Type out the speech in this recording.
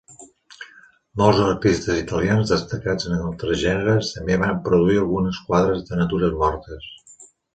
Molts artistes italians destacats en altres gèneres també van produir alguns quadres de natures mortes.